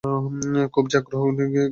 খুব যে আগ্রহ নিয়ে শুনব তা না।